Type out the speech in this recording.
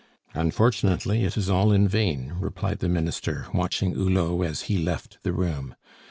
"Unfortunately, it is all in vain," replied the Minister, watching Hulot as he left the room.